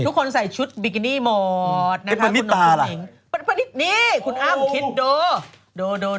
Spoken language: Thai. ทุกคนใส่ชุดบิกินี่หมดนะครับคุณน้องคุณหนิงนี่คุณอ้ำคิดดู